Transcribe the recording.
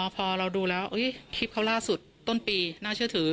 พอเราดูแล้วคลิปเขาล่าสุดต้นปีน่าเชื่อถือ